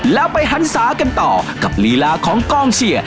แล้วไปหันศากันต่อกับลีลาของกองเชียร์